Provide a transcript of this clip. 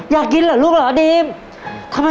อยากกินหรอลูกหรอดีม